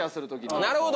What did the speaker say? なるほど。